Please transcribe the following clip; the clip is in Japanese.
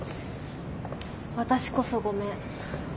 私こそごめん。